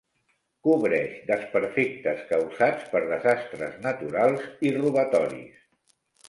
Cobreix desperfectes causats per desastres naturals i robatoris.